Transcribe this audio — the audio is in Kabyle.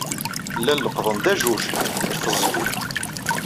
Llan leqqḍen-d ajuj deg teẓgi.